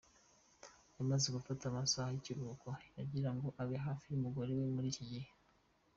yamaze gufata amasaha ikiruhuko kugira ngo abe hafi yumugore we muri iki gihe.